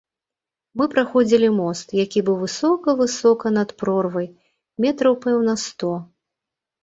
Мы праходзілі мост, які быў высока-высока над прорвай, метраў, пэўна, сто.